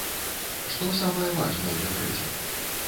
Што самае важнае ў дэкрэце?